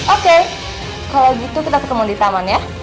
oke kalau gitu kita ketemu di taman ya